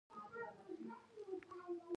نجلۍ د باور تمثیل ده.